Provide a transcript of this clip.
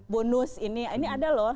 bonus ini ini ada loh